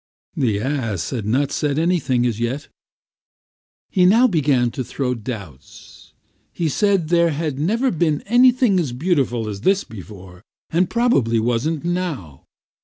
The ass had not said anything as yet; he now began to throw doubts. He said there had never been anything as beautiful as this before, and probably wasn't now.